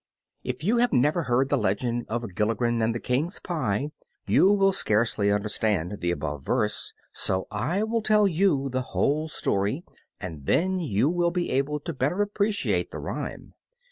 IF you have never heard the legend of Gilligren and the King's pie you will scarcely understand the above verse; so I will tell you the whole story, and then you will be able to better appreciate the rhyme.